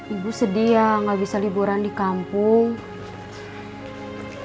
ibu sedih ya gak bisa liburan di kampung